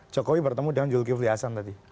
jokowi bertemu dengan julki fliassan tadi